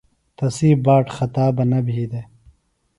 تسی باٹ خطا بہ نہ بھی دےۡ